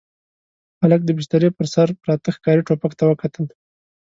هلک د بسترې پر سر پراته ښکاري ټوپک ته وکتل.